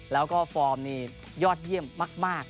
แล้วก็ฟอร์มนี่ยอดเยี่ยมมาก